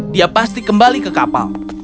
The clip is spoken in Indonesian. dia pasti kembali ke kapal